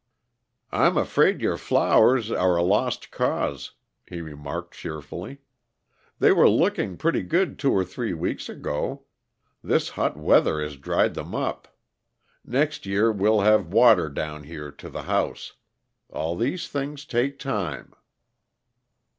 "I'm afraid your flowers are a lost cause," he remarked cheerfully. "They were looking pretty good two or three weeks ago. This hot weather has dried them up. Next year we'll have water down here to the house. All these things take time."